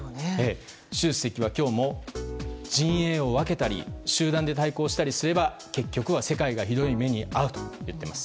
習主席は今日も陣営を分けたり集団で対抗したりすれば結局は世界がひどい目に遭うと言っています。